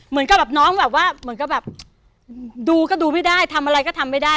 เหมือนกับแบบน้องแบบว่าเหมือนกับแบบดูก็ดูไม่ได้ทำอะไรก็ทำไม่ได้